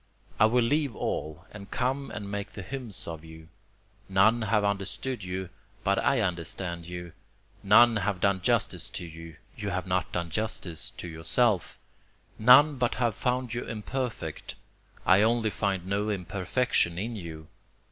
I will leave all, and come and make the hymns of you; None have understood you, but I understand you; None have done justice to you you have not done justice to yourself; None but have found you imperfect I only find no imperfection in you.